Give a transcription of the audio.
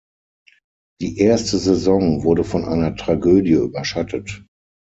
Die erste Saison wurde von einer Tragödie überschattet.